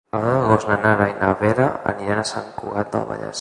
El deu d'agost na Nara i na Vera aniran a Sant Cugat del Vallès.